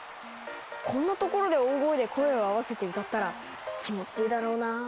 こんな所で大声で声を合わせて歌ったら気持ちいいだろうな。